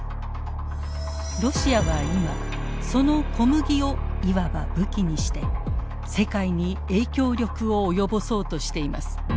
ロシアは今その小麦をいわば武器にして世界に影響力を及ぼそうとしています。